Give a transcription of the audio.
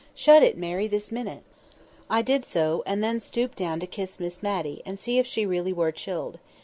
Shut it, Mary, this minute!" I did so, and then stooped down to kiss Miss Matty, and see if she really were chilled.